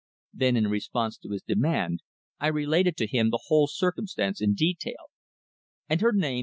Then, in response to his demand, I related to him the whole circumstance in detail. "And her name?"